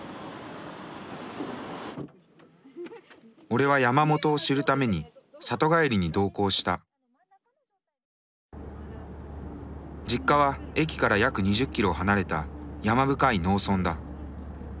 俺は山本を知るために里帰りに同行した実家は駅から約２０キロ離れた山深い農村だ